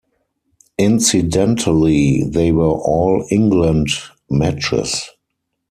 Incidentally, they were all England matches.